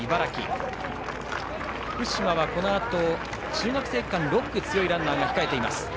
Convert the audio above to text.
福島はこのあと中学生区間６区に強いランナーが控えています。